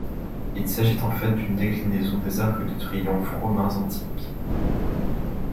Il s'agit en fait d'une déclinaison des arcs de triomphe romains antiques.